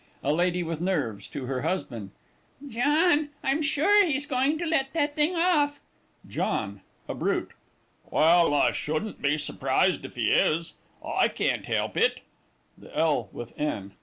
A LADY WITH NERVES (to her husband). John, I'm sure he's going to let that thing off! JOHN (a Brute). Well, I shouldn't be surprised if he is. I can't help it. THE L. WITH N.